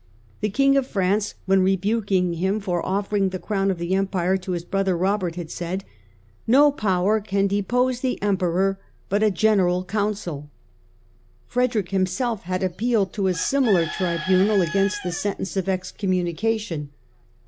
The King of France, when rebuking him for offering the crown of the Empire to his brother Robert, had said, " No power can depose the Emperor but a General Council." Frederick himself had appealed to a similar tribunal against the sentence of excommunication.